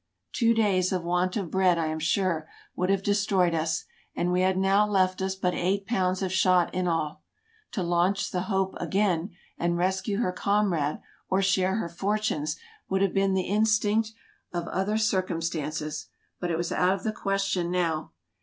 Two days of want of bread, I am sure, would have de stroyed us ; and we had now left us but eight pounds of shot in all. To launch the " Hope " again, and rescue her com rade or share her fortunes, would have been the instinct of other circumstances; but it was out of the question now.